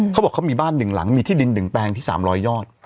เขาบอกเขามีบ้าน๑หลังมีที่ดิน๑แปลงที่๓๐๐ยอด